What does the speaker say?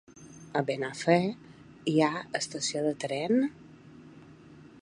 A Benafer hi ha estació de tren?